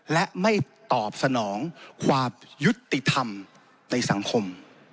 และไม่ตอบสนองความยุติธรรมในสังคม